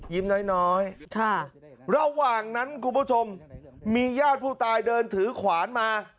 น้อยระหว่างนั้นคุณผู้ชมมีญาติผู้ตายเดินถือขวานมา